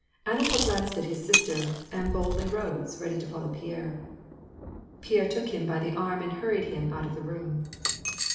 Anatol glanced at his sister, and boldly rose, ready to fol low Pierre. Pierre took him by the arm and hurried him out of the room.